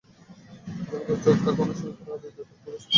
জনতার চোখ তাকে অনুসরণ করছে আর হৃদয় তাকে পরিবেষ্টন করছে।